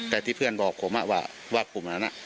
แต่ที่เพื่อนบอกผมว่ากลุ่มนั้น